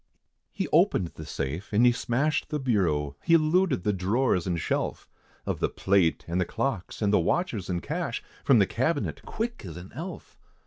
He opened the safe, and he smashed the bureau, He looted the drawers, and shelf, Of the plate, and the clocks, and the watches, and cash, From the cabinet, quick as an elf.